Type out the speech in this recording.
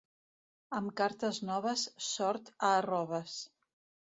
Amb cartes noves, sort a arroves.